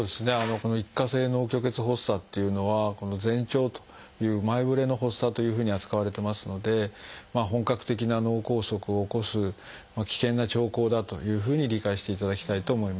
この一過性脳虚血発作っていうのは前兆という前触れの発作というふうに扱われてますので本格的な脳梗塞を起こす危険な兆候だというふうに理解していただきたいと思います。